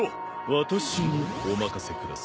私にお任せください。